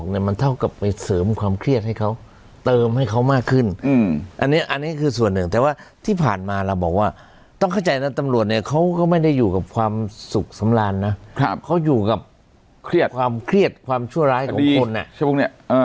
เนี่ยเขาก็ไม่ได้อยู่กับความสุขสำราญนะครับเขาอยู่กับเครียดความเครียดความชั่วร้ายของคนน่ะ